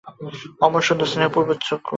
কেন, অমন সুন্দর স্নেহপূর্ণ চক্ষু!